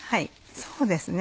そうですね。